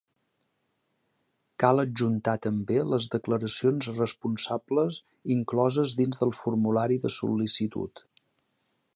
Cal adjuntar també les declaracions responsables incloses dins del formulari de sol·licitud.